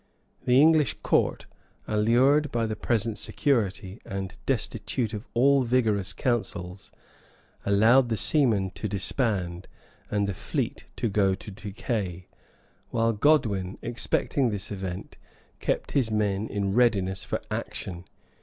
[*] The English court, allured by the present security, and destitute of all vigorous counsels, allowed the seamen to disband, and the fleet to go to decay;[] while Godwin, expecting this event, kept his men in readiness for action.